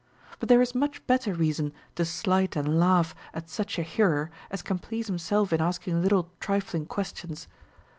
But there is much better reason to slight and laugh at such a hearer as can please himself in asking little trifling questions.